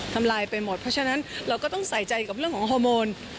ทำลายไปหมดเพราะฉะนั้นเราก็ต้องใส่ใจกับเรื่องของฮอร์โมน